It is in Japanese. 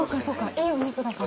いいお肉だから。